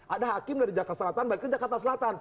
ada hakim dari jakarta selatan balik ke jakarta selatan